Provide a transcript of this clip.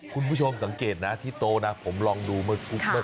คุณผู้ชมสังเกตนะที่โต๊ะนะผมลองดูเมื่อทุบเมื่อ